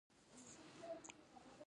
ایا د زړه بطرۍ لرئ؟